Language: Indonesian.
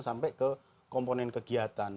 sampai ke komponen kegiatan